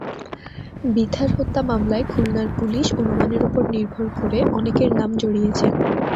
বিথার হত্যা মামলায় খুলনার পুলিশ অনুমানের ওপর নির্ভর করে অনেকের নাম জড়িয়েছে।